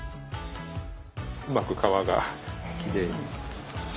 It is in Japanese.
うまく皮がきれいに。